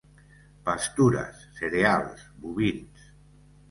Pastures, cereals, bovins.